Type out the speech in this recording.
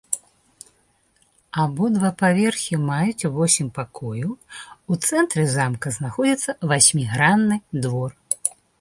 Абодва паверхі маюць восем пакояў, у цэнтры замка знаходзіцца васьмігранны двор.